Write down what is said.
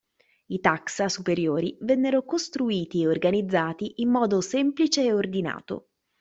I taxa superiori vennero costruiti e organizzati in modo semplice e ordinato.